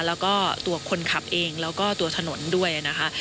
แล้วก็ตัวคนขับเองแล้วก็ตัวถนนด้วยนะคะ